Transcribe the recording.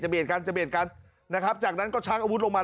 เบียดกันจะเบียดกันนะครับจากนั้นก็ช้างอาวุธลงมา